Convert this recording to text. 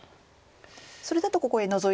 それだとここへノゾいた黒の。